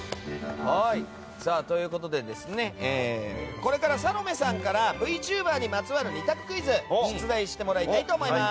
これからサロメさんからＶＴｕｂｅｒにまつわる２択クイズを出題してもらいたいと思います。